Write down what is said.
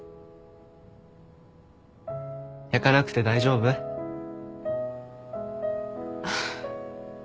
焼かなくて大丈夫？あっ。